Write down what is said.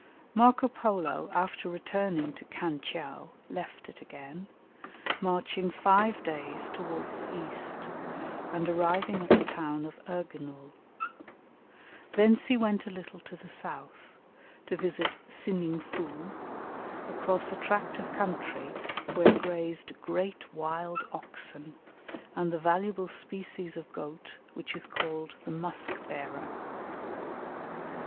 Marco Polo after returning to Khan tcheou left it again, marching five days towards the east, and arriving at the town of Erginul. Thence he went a little to the south to visit Sining foo, across a tract of country where grazed great wild oxen and the valuable species of goat which is called the "musk bearer."